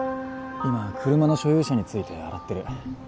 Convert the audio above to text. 今車の所有者について洗ってる。